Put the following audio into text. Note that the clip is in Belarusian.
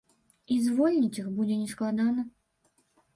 І звольніць іх будзе не складана.